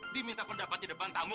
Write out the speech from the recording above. diminta pendapat di depan tamu